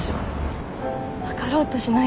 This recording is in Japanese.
分かろうとしないで。